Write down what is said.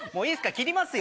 切りますよ。